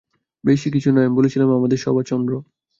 বেশি কিছু নয়, আমি বলছিলুম আমাদের সভা– চন্দ্র।